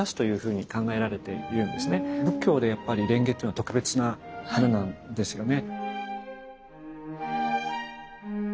仏教でやっぱり蓮華というのは特別な花なんですよね。